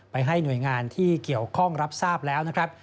ให้หน่วยงานที่เกี่ยวข้องรับทราบแล้วนะครับ